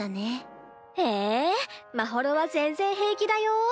まほろは全然平気だよ。